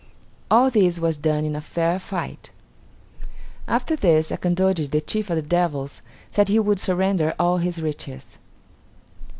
All this was done in a fair fight. After this Akandoji the chief of the devils said he would surrender all his riches.